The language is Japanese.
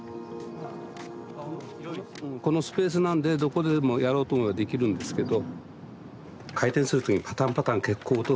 このスペースなんでどこででもやろうと思えばできるんですけど。